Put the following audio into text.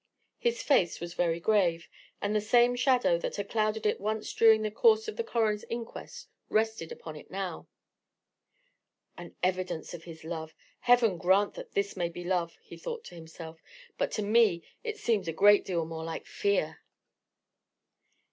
His face was very grave: and the same shadow that had clouded it once during the course of the coroner's inquest rested upon it now. "An evidence of his love! Heaven grant this may be love," he thought to himself; "but to me it seems a great deal more like fear!"